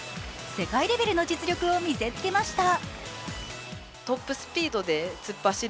世界レベルの実力を見せつけました。